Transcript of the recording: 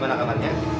malah kapan nya